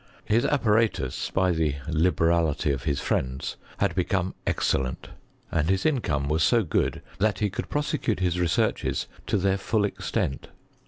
His Bp< paratus, by the liberality of his friends, had become excellent, and his income was so good that he could prosecute his researches to their full extent.